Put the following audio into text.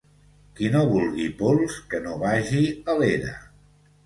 Qui no vulgui pols, que no vagi a l'era